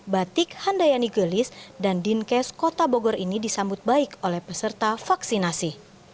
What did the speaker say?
batik handayani gelis dan dinkes kota bogor ini disambut baik oleh peserta vaksinasi